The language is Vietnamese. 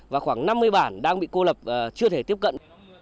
và khoảng năm mươi bản đang bị cô lập chưa thể tiếp cận